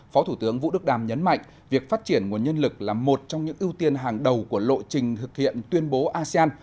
phó thủ tướng vũ đức đam nhấn mạnh việc phát triển nguồn nhân lực là một trong những ưu tiên hàng đầu của lộ trình thực hiện tuyên bố asean